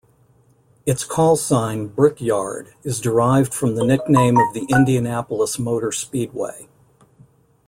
Its call sign "Brickyard" is derived from the nickname of the Indianapolis Motor Speedway.